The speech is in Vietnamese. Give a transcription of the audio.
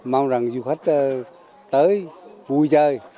mong rằng du khách tới vui chơi